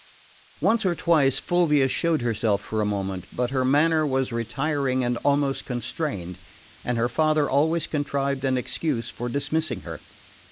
Once or twice Fulvia showed herself for a moment; but her manner was retiring and almost constrained, and her father always contrived an excuse for dismissing her.